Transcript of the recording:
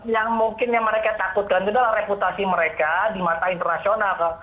yang mungkin yang mereka takutkan itu adalah reputasi mereka di mata internasional